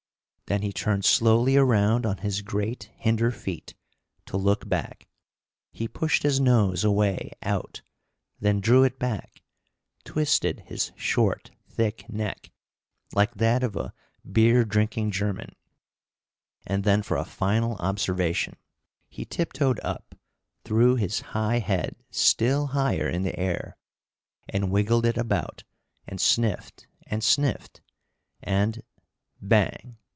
Then he turned slowly around on his great hinder feet to look back; he pushed his nose away out, then drew it back, twisted his short, thick neck, like that of a beer drinking German, and then for a final observation he tiptoed up, threw his high head still higher in the air and wiggled it about and sniffed and sniffed and bang!